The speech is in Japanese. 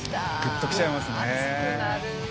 ぐっときちゃいますね。